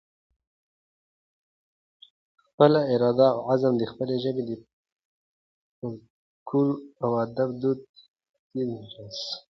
خپله اراده اوعزم د خپلې ژبې د فلکلور، ادب اودود د تیر میراث